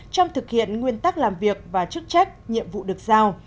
trong thực hiện nguyên tắc làm việc và chức trách nhiệm vụ được giao